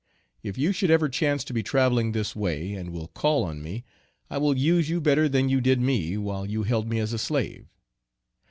If you should ever chance to be traveling this way, and will call on me, I will use you better than you did me while you held me as a slave.